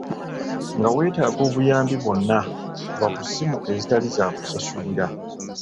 Nga weetaaga obuyambi bwonna, kuba ku ssimu ezitali za kusasulira.